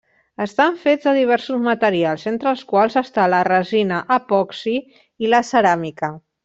Estan fets de diversos materials, entre els quals està la resina epoxi i la ceràmica.